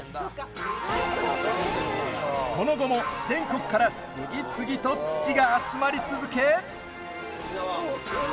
その後も、全国から次々と土が集まり続け。